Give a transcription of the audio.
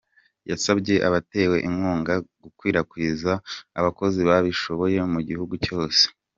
Yasabye abatewe inkunga gukwirakwiza abakozi babishoboye mu gihugu cyose.